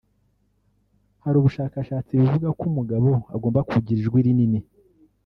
Hari ubushakashatsi buvuga ko umugabo agomba kugira ijwi rinini